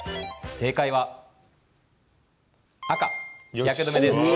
正解は赤・日焼け止めです。